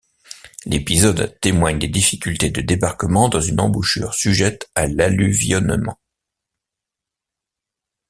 L'épisode témoigne des difficultés de débarquement dans une embouchure sujette à l'alluvionnement.